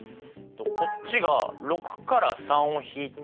こっちが６から３を引いて３人。